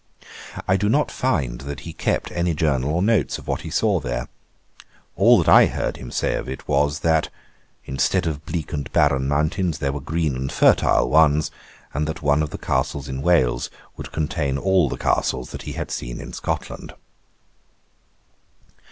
I do not find that he kept any journal or notes of what he saw there. All that I heard him say of it was, that 'instead of bleak and barren mountains, there were green and fertile ones; and that one of the castles in Wales would contain all the castles that he had seen in Scotland.'